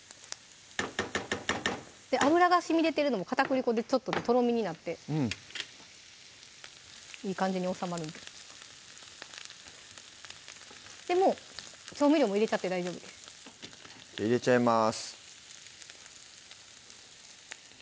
脂がしみ出てるのも片栗粉でちょっととろみになっていい感じに収まるんでもう調味料も入れちゃって大丈夫です入れちゃいます